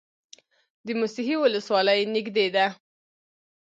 د موسهي ولسوالۍ نږدې ده